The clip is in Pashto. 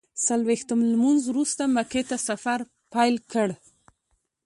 څلویښتم لمونځ وروسته مکې ته سفر پیل کړ.